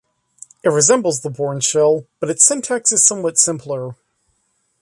It resembles the Bourne shell, but its syntax is somewhat simpler.